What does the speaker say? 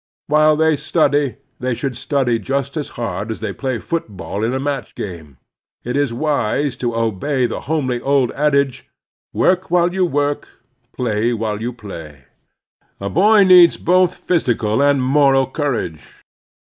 While they study they should study just as hard as they play football in a match game. It is wise to obey the homely old adage, "Work while you work; play while you play." A boy needs both physical and moral courage.